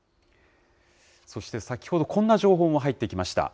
そして先ほど、こんな情報も入ってきました。